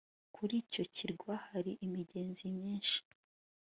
kuri icyo kirwa hari imigezi myinshi